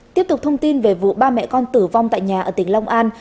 tiếp tục thông tin về vụ ba mẹ con tử vong tại nhà ở tỉnh long an